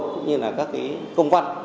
cũng như là các cái công văn